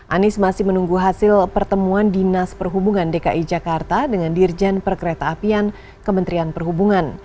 anies masih menunggu hasil pertemuan dinas perhubungan dki jakarta dengan dirjen perkereta apian kementerian perhubungan